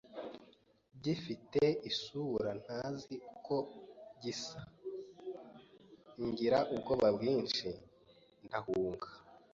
gifite isura ntazi uko gisa ngira ubwoba bwinshi ndahunga